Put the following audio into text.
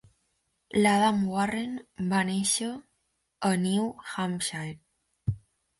L'Adam Warren va nàixer a New Hampshire.